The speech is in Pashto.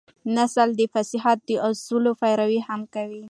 نثر د فصاحت د اصولو پيروي هم کوي.